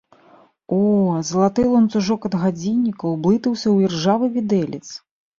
О, залаты ланцужок ад гадзінніка ўблытаўся ў іржавы відэлец!